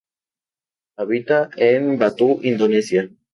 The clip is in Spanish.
Habita en Batu Indonesia.